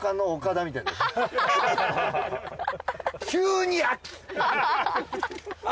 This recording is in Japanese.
急に秋！